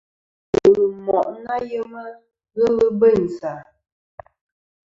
Wul ɨ moʼ ɨ nà yema, ghelɨ bêynsì a.